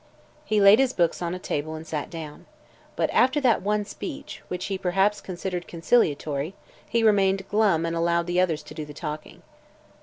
He laid his books on a table and sat down. But after that one speech, which he perhaps considered conciliatory, he remained glum and allowed the others to do the talking.